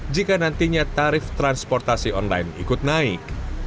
jika nantinya tarif transportasi online ikut naik